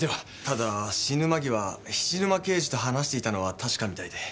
ただ死ぬ間際菱沼刑事と話していたのは確かみたいで。